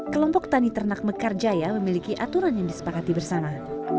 kelompok tani ternak mekarjaya memiliki aturan yang disepakati bersama